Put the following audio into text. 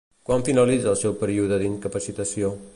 Quan finalitza el seu període d'incapacitació?